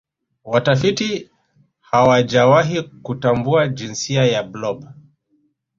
watafiti hawajawahi kutambua jinsia ya blob